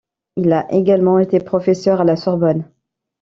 Il a également été professeur à la Sorbonne.